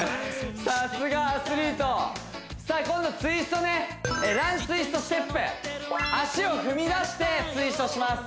さすがアスリートさあ今度ツイストねＲＵＮツイストステップ足を踏み出してツイストします